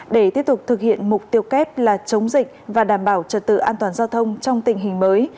để tiếp tục thực hiện mục tiêu kép là chống dịch và đảm bảo trật tự an toàn giao thông trong tình hình mới